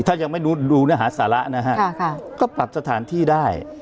ถ้ายังไม่รู้ดูเนื้อหาสาระนะฮะก็ปรับสถานที่ได้